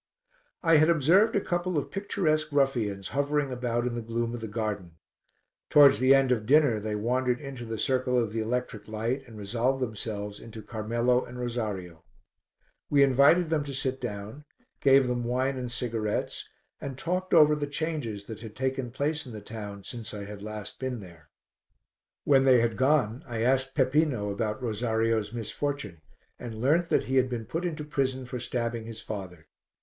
I had observed a couple of picturesque ruffians hovering about in the gloom of the garden; towards the end of dinner they wandered into the circle of the electric light and resolved themselves into Carmelo and Rosario. We invited them to sit down, gave them wine and cigarettes and talked over the changes that had taken place in the town since I had last been there. When they had gone, I asked Peppino about Rosario's misfortune and learnt that he had been put into prison for stabbing his father.